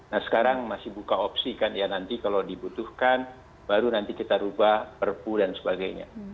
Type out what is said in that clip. nah sekarang masih buka opsi kan ya nanti kalau dibutuhkan baru nanti kita ubah perpu dan sebagainya